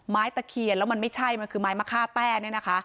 ไม้ตะเขียนแล้วมันไม่ใช่มันคือไม้มะคาแป้น